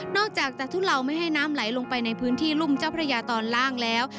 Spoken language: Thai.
อกจากจะทุเลาไม่ให้น้ำไหลลงไปในพื้นที่รุ่มเจ้าพระยาตอนล่างแล้ว